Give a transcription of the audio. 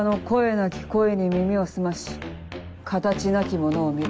なき声に耳を澄まし形なきものを見る。